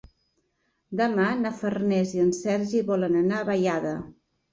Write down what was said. Demà na Farners i en Sergi volen anar a Vallada.